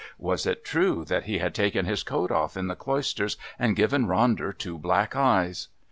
Was it true that he had taken his coat off in the Cloisters and given Ronder two black eyes?